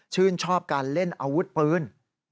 ชื่นชอบการเล่นอาวุธปืน